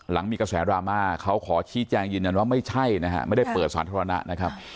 มีกระแสดราม่าเขาขอชี้แจงยืนยันว่าไม่ใช่นะฮะไม่ได้เปิดสาธารณะนะครับ